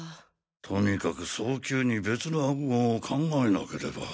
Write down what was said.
とにかく早急に別の暗号を考えなければ。